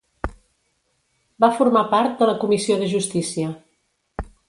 Va formar part de la comissió de justícia.